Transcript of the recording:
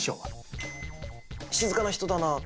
静かな人だな。